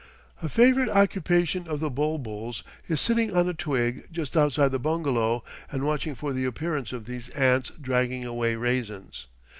A favorite occupation of the bul buls is sitting on a twig just outside the bungalow and watching for the appearance of these ants dragging away raisins.